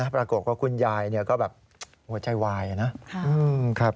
ประกวดว่าคุณยายเนี่ยก็แบบหัวใจวายนะ